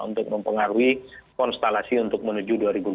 untuk mempengaruhi konstelasi untuk menuju dua ribu dua puluh